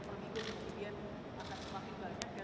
permingguan kemudian akan semakin banyak